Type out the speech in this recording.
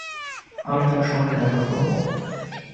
আমি তাঁর সঙ্গে দেখা করব।